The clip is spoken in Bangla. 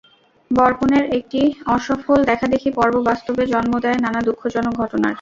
বর-কনের একটি অসফল দেখাদেখি পর্ব বাস্তবে জন্ম দেয় নানা দুঃখজনক ঘটনার।